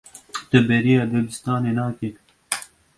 Tu bêriya dibistanê nakî.